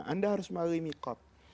anda harus membeli mikot